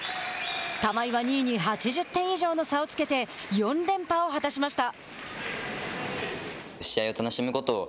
玉井は２位に８０点以上の差をつけて４連覇を果たしました。